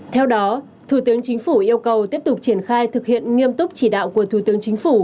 theo đó thủ tướng chính phủ yêu cầu tiếp tục triển khai thực hiện nghiêm túc chỉ đạo của thủ tướng chính phủ